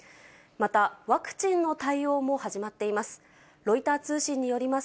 またワクチンの対応も始まっています。